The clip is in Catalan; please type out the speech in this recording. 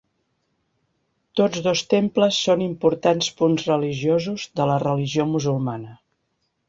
Tots dos temples són importants punts religiosos de la religió musulmana.